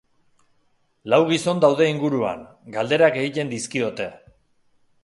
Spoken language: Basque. Lau gizon daude inguruan, galderak egiten dizkiote.